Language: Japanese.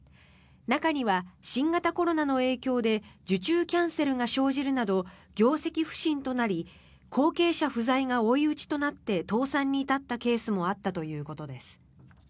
中には新型コロナの影響で受注キャンセルが生じるなど業績不振となり後継者不在が追い打ちとなって倒産に至ったケースもあったということです。